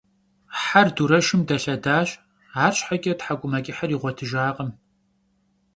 Her dureşşım delhedaş, arşheç'e thek'umeç'ıhır yiğuetıjjakhım.